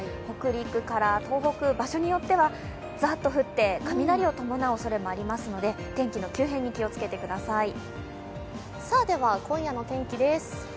北陸から東北、場所によってはザッと降って雷を伴うおそれもありますので天気の急変に気をつけてください。